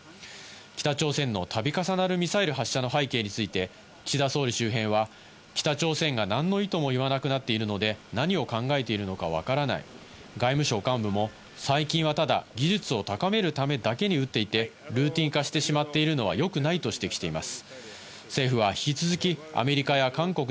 北朝鮮の度重なるミサイル発射の背景について、岸田総理周辺は、北朝鮮が何の意図も言わなくなっているので何を考えているのかわからない、外務省幹部も最近はただ技術を高めるためだけに撃っていてルーティン化してしまっているのは良くないと指摘しています。